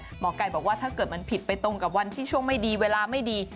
หมอไก่บอกว่าถ้าเกิดมันผิดไปตรงกับวันที่ช่วงไม่ดีเวลาไม่ดี